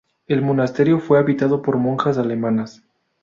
El monasterio fue habitado por monjas alemanas.